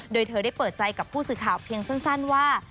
โดยเธอได้เปิดใจกับผู้สื่อข่าวเพียงสั้นว่า